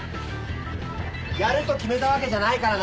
やると決めたわけじゃないからな！